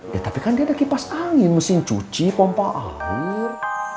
ya tapi kan dia ada kipas angin mesin cuci pompa air